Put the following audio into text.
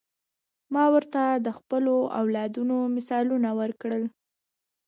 ما ورته د خپلو اولادونو مثالونه ورکړل.